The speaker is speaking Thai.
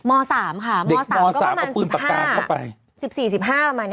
ม๓ค่ะม๓ก็ประมาณ๑๕